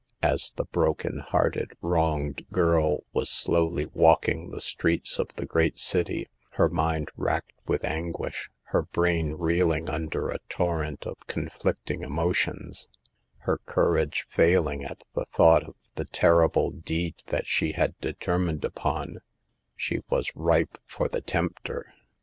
As the heart broken, wronged girl was slowly walking the streets of the great city, her mind racked with anguish, her brain reeling under a torrent of conflicting emotions, her courage failing at the thought of the terrible deed that she had determined upon, she was ripe for the tempter.